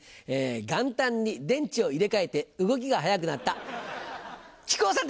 元旦に電池を入れ替えて動きが速くなった木久扇さんです。